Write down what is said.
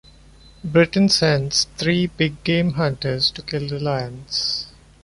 Britain sends three big-game hunters to kill the lions.